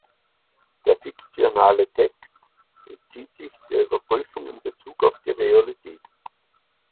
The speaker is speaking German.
Der fiktionale Text entzieht sich der Überprüfung in Bezug auf die Realität.